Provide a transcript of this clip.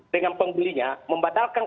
dengan pengbelinya membatalkan